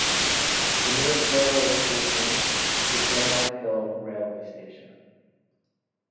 The nearest railway station is Denmark Hill railway station.